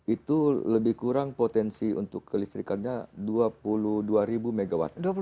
itu lebih kurang potensi untuk kelistrikan nya dua puluh dua mw